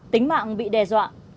tính mạng bị đe dọa